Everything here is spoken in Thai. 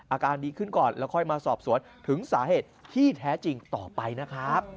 อาการดีขึ้นก่อนแล้วค่อยมาสอบสวนถึงสาเหตุที่แท้จริงต่อไปนะครับ